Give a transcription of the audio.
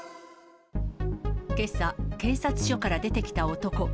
けさ、警察署から出てきた男。